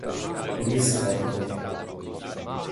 Rhys Carter